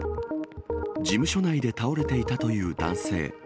事務所内で倒れていたという男性。